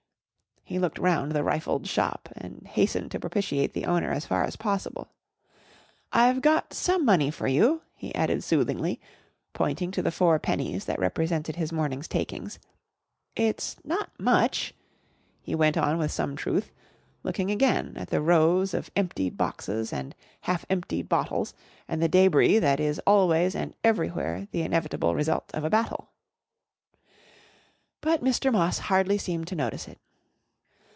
He looked round the rifled shop and hastened to propitiate the owner as far as possible. "I've got some money for you," he added soothingly, pointing to the four pennies that represented his morning's takings. "It's not much," he went on with some truth, looking again at the rows of emptied boxes and half emptied bottles and the débris that is always and everywhere the inevitable result of a battle. But Mr. Moss hardly seemed to notice it.